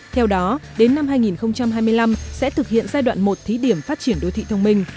theo đó đến năm hai nghìn hai mươi năm sẽ thực hiện giai đoạn một thí điểm phát triển đô thị thông minh